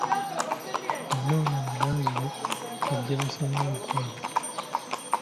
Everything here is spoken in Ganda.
Yanona muganzi we ajje basinde omukwano.